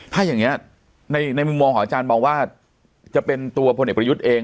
ถ้าอย่างนี้ในมุมมองของอาจารย์มองว่าจะเป็นตัวพลเอกประยุทธ์เอง